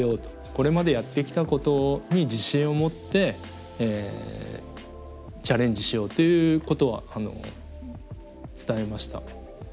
これまでやってきたことに自信を持ってチャレンジしようということは伝えました。